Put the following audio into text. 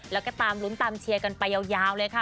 แล้วก็ตามลุ้นตามเชียร์กันไปยาวเลยค่ะ